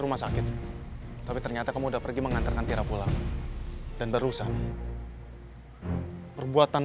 rumah sakit tapi ternyata kamu udah pergi mengantarkan tira pulang dan barusan perbuatan